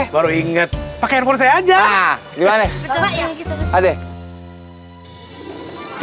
baru inget pakai hp saya aja gimana